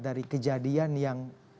dari kejadian yang